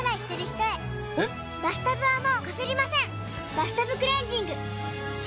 「バスタブクレンジング」！